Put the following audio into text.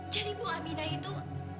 jadi bu aminah itu